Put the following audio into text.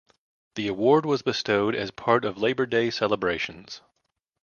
The award was bestowed as part of the Labor Day celebrations.